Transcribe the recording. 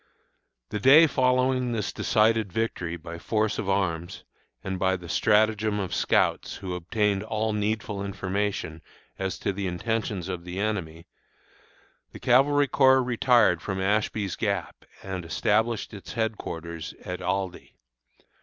The day following this decided victory by force of arms, and by the stratagem of scouts, who obtained all needful information as to the intentions of the enemy, the Cavalry Corps retired from Ashby's Gap and established its headquarters at Aldie.